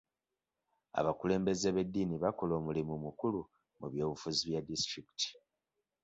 Abakulembeze b'eddiini bakola omulimu mukulu mu by'obufuzi bya disitulikiti.